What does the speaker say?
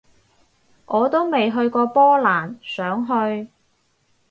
我都未去過波蘭，想去